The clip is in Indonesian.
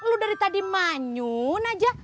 lu dari tadi manyun aja